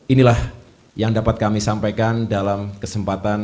inilah yang dapat kami sampaikan dalam kesempatan